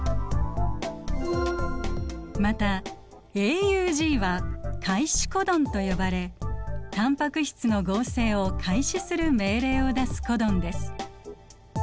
またＡＵＧは開始コドンと呼ばれタンパク質の合成を開始する命令を出すコドンです。